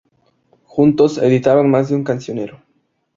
Juntos editaron más de un cancionero.